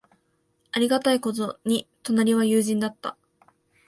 ありがたいことに、隣は友人だった。